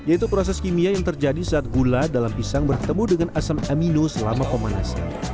yaitu proses kimia yang terjadi saat gula dalam pisang bertemu dengan asam amino selama pemanasan